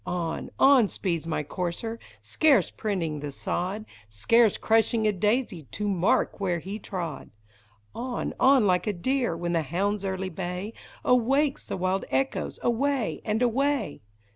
On, on speeds my courser, scarce printing the sod, Scarce crushing a daisy to mark where he trod ! On, on like a deer, when the hound's early bay Awakes the wild echoes, away, and away